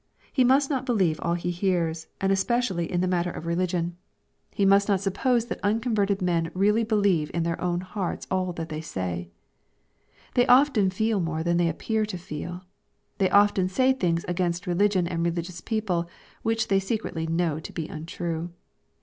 He must not believe all he hears, and especially in the matter of LUKE, CHAP. XX. 323 religiou. He must not suppose that unconverted men really believe in their own hearts all that they say. They often feel more than they appear to feel. They often say things against religion and religious people, which they secretly know to be untrue.